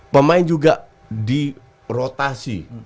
pemain juga di rotasi